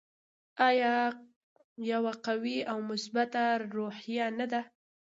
آیا یوه قوي او مثبته روحیه نه ده؟